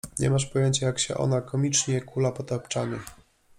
«Nie masz pojęcia, jak się ona komicznie kula po tapczanie.